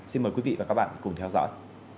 xin mời quý vị và các bạn cùng theo dõi